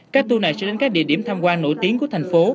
các tour này sẽ đến các địa điểm tham quan nổi tiếng của thành phố